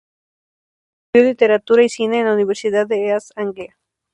Estudió literatura y cine en la Universidad de East Anglia.